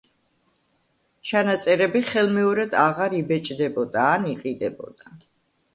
ჩანაწერები ხელმეორედ აღარ იბეჭდებოდა ან იყიდებოდა.